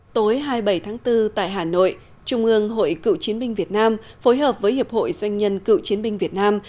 tối hai mươi bảy tháng bốn tại hà nội trung ương hội cựu chiến binh việt nam phối hợp với hiệp hội doanh nhân cựu chiến binh việt nam